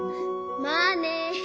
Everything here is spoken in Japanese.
まあね。